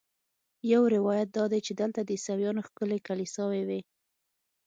یو روایت دا دی چې دلته د عیسویانو ښکلې کلیساوې وې.